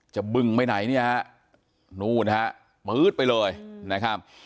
บึงไปไหนเนี่ยฮะนู่นฮะปื๊ดไปเลยนะครับ